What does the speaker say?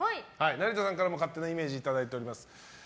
成田さんからも勝手なイメージいただいています。